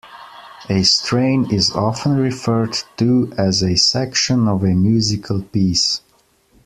A strain is often referred to as a "section" of a musical piece.